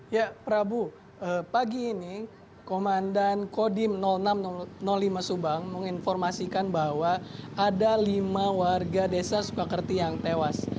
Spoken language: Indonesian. ya prabu pagi ini komandan kodim enam ratus lima subang menginformasikan bahwa ada lima warga desa sukakerti yang tewas